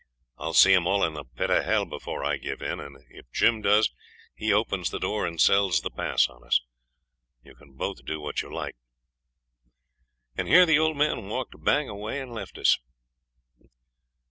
I'll see 'em all in the pit of h l before I give in, and if Jim does, he opens the door and sells the pass on us. You can both do what you like.' And here the old man walked bang away and left us.